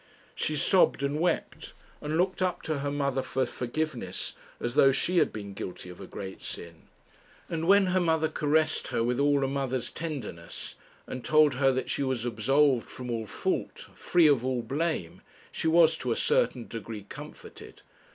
She sobbed, and wept, and looked up to her mother for forgiveness as though she had been guilty of a great sin; and when her mother caressed her with all a mother's tenderness, and told her that she was absolved from all fault, free of all blame, she was to a certain degree comforted.